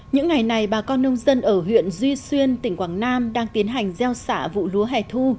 những ngày này bà con nông dân ở huyện duy xuyên tỉnh quảng nam đang tiến hành gieo xả vụ lúa hẻ thu